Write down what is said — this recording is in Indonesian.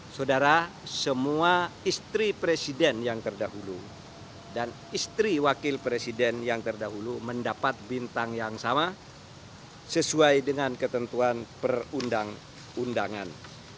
saudara semua istri presiden yang terdahulu dan istri wakil presiden yang terdahulu mendapat bintang yang sama sesuai dengan ketentuan perundang undangan